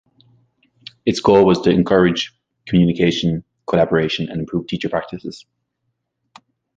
Its goal was to encourage communication, collaboration, and improve teacher practices.